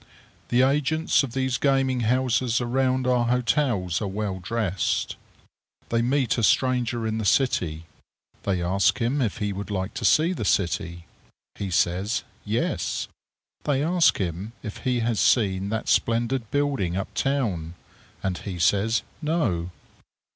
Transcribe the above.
The agents of these gaming houses around our hotels are well dressed. They meet a stranger in the city; they ask him if he would like to see the city; he says, "Yes;" they ask him if he has seen that splendid building up town, and he says "No."